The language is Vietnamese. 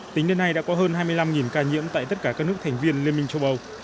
tính đến nay đã có hơn hai mươi năm ca nhiễm tại tất cả các nước thành viên liên minh châu âu